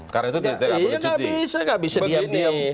karena itu tidak boleh cuti